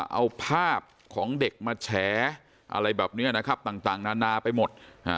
เอาภาพของเด็กมาแฉอะไรแบบนี้นะครับต่างนานาไปหมด